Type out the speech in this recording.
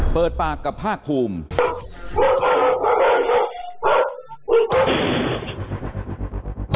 เปิดปากกับภาคภูมิ